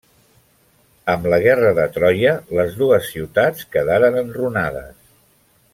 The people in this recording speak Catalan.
Amb la Guerra de Troia, les dues ciutats quedaren enrunades.